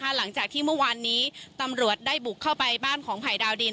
หลังจากที่เมื่อวานนี้ตำรวจได้บุกเข้าไปบ้านของภัยดาวดิน